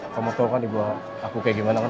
kamu tahu kan ibu aku kayak gimana kan